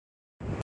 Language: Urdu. علامات